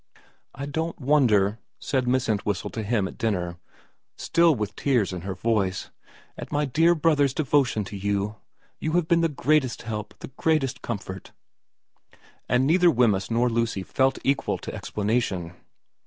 ' I don't wonder,' said Miss Entwhistle to him at dinner, still with tears in her voice, ' at my dear brother's devotion to you. You have been the greatest help, the greatest comfort ' And neither Wemyss nor Lucy felt equal to ex planation.